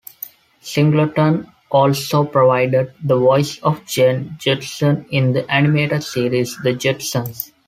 Singleton also provided the voice of Jane Jetson in the animated series "The Jetsons".